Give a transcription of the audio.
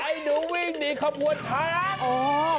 ไอ้หนูวิ่งหนี้ข้อ๑๕หวัดลง